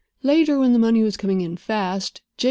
Later, when the money was coming in fast, J.